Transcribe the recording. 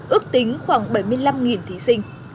ước tính khoảng bảy mươi năm thí sinh